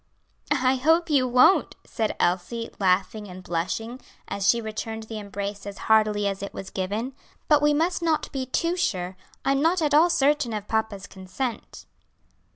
"I hope you won't," said Elsie, laughing and blushing, as she returned the embrace as heartily as it was given. "But we must not be too sure; I'm not at all certain of papa's consent."